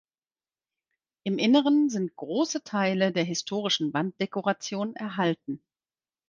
Im Inneren sind große Teile der historischen Wanddekoration erhalten.